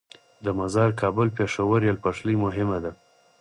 د مزار - کابل - پیښور ریل پټلۍ مهمه ده